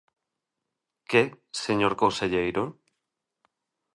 ¿Que, señor conselleiro?